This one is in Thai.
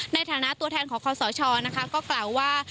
ในฐานะตัวแทนของคอสชนะคะก็กล่าวว่า